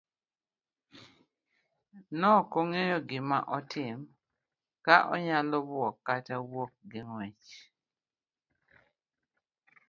Nokong'eyo gima otim, kaonyalo buok kata wuok gi ng'uech.